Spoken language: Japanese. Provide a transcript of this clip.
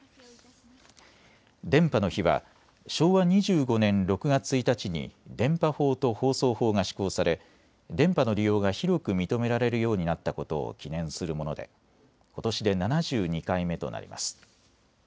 電波の日は昭和２５年６月１日に電波法と放送法が施行され電波の利用が広く認められるようになったことを記念するものでことしで７２回目となります。